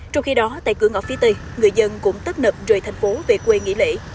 trong khi đó tại cửa ngõ phía tây người dân cũng tất nập rời thành phố về quê nghỉ lễ